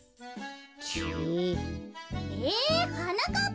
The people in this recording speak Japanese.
えはなかっぱ